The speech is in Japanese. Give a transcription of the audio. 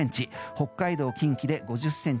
北海道、近畿で５０ｃｍ